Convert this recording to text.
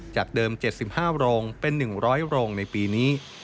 จากเดิม๗๕โรงเป็น๑๐๐โรงในปีนี้